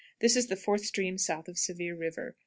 This is the fourth stream south of Sevier River.